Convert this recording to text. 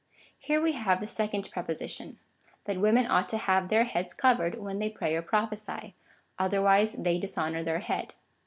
Here we have the second proposition — that women ought to have their heads covered when they pray or prophesy ; otherwise they dis honour their head.